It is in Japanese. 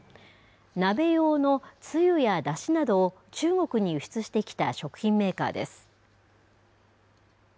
鍋用のつゆやだしなどを中国に輸出してきた食品メーカーです。